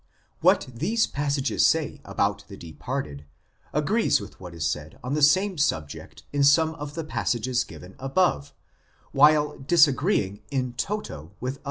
1 What these passages say about the departed agrees with what is said on the same subject in some of the passages given above, while disagreeing in toto with others.